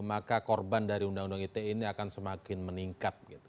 maka korban dari undang undang ite ini akan semakin meningkat